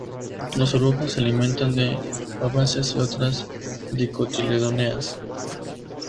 Las orugas se alimentan de fabáceas y otras dicotiledóneas.